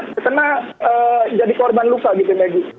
terkena jadi korban luka gitu medi